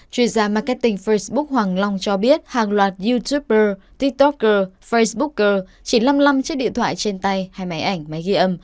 chuyên gia marketing facebook hoàng long cho biết hàng loạt youtuber tiktoker facebooker chỉ lâm lâm chiếc điện thoại trên tay hay máy ảnh máy ghi âm